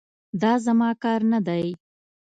دا زما کار نه دی.